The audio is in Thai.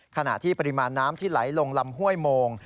ขณะที่ปริมาณน้ำที่ไหลลงลำห้วยโมง